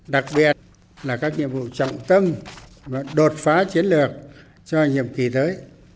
đặc biệt là các nhiệm vụ trọng tâm và đột phá chiến lược cho nhiệm kỳ tới